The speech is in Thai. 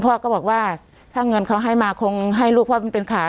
พ่อก็บอกว่าถ้าเงินเขาให้มาคงให้ลูกพ่อมันเป็นข่าว